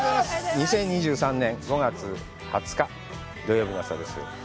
２０２３年５月２０日、土曜日の朝です。